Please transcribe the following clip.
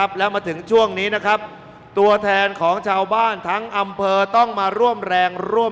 ๑๐๐๐๐บาทในช่วงขอแรง